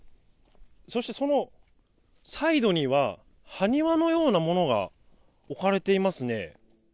そして、そのサイドには埴輪のようなものが置かれていますね。